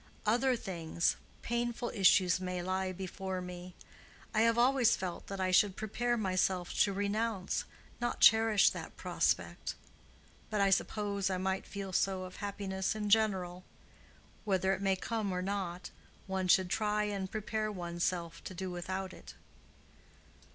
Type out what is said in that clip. Other things—painful issues may lie before me. I have always felt that I should prepare myself to renounce, not cherish that prospect. But I suppose I might feel so of happiness in general. Whether it may come or not, one should try and prepare one's self to do without it."